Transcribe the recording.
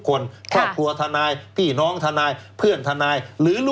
คนครอบครัวทนายพี่น้องทนายเพื่อนทนายหรือลูก